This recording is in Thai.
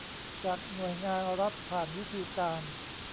จากหน่วยงานรัฐผ่านวิธีการ